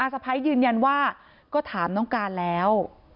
สะพ้ายยืนยันว่าก็ถามน้องการแล้ว